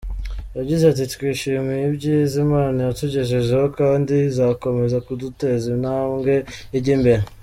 Yagize ati “Twishimiye ibyiza Imana yatugejejeho kandi izakomeza kuduteza intambwe ijya imbere.